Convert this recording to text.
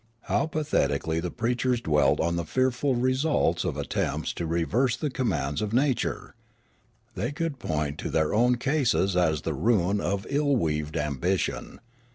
How patheticall}^ the preachers dwelt on the fearful results of attempts to reverse the commands of nature ! The^' could point to their own cases as the ruin of ill weaved ambition.